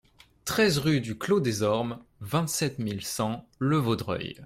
treize rue du Clos des Ormes, vingt-sept mille cent Le Vaudreuil